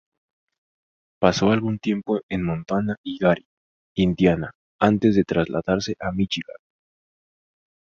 Pasó algún tiempo en Montana y Gary, Indiana, antes de trasladarse a Míchigan.